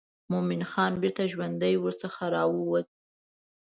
مومن خان بیرته ژوندی ورڅخه راووت.